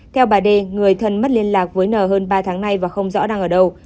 theo bà đê người thân mất liên lạc với nờ hơn ba tháng nay và không rõ đang ở đâu